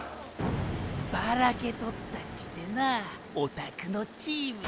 バラけとったりしてなァおたくのチーム。